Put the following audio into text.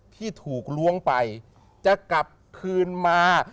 ที่ถูกล้วงไปจะกลับคืนมา